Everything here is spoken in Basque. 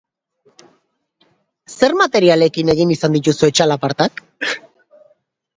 Zer materialekin egin izan dituzue txalapartak?